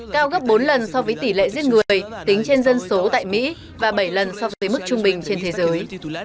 cao gấp bốn lần so với tỷ lệ giết người tính trên dân số tại mỹ và bảy lần so với mức trung bình trên thế giới